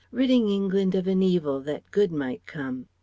"ridding England of an evil that good might come."